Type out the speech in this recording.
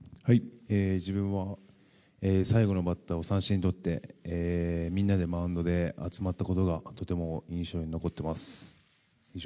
自分は、最後のバッターを三振とってみんなでマウンドで集まったことがとても印象に残っています。